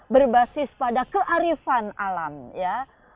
berbasis pada kearifan alam ya